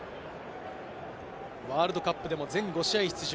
ワールドカップでも全５試合出場。